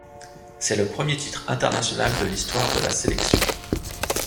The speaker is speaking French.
C'est le premier titre international de l'histoire de la sélection.